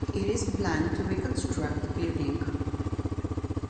It is planned to reconstruct the building.